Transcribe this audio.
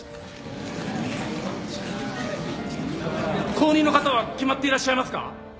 後任の方は決まっていらっしゃいますか？